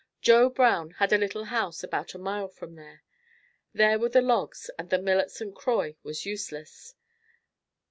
Joe Brown had a little house about a mile from there. There were the logs, and the mill at St. Croix was useless.